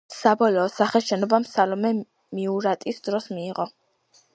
საბოლოო სახე შენობამ სალომე მიურატის დროს მიიღო.